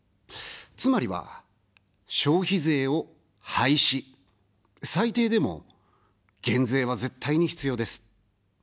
つまりは、消費税を廃止、最低でも減税は絶対に必要です。